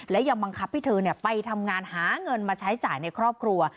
และยังบังคับให้เธอไปทำงานหาเงินมาใช้จ่ายในครอบครัว